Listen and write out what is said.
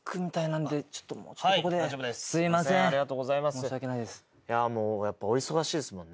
申し訳ないです。